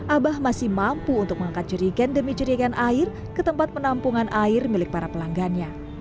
abah masih mampu untuk mengangkat jerigen demi jerikan air ke tempat penampungan air milik para pelanggannya